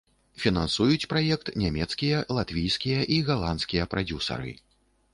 Фінансуюць праект нямецкія, латвійскія і галандскія прадзюсары.